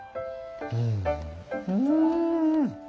うん！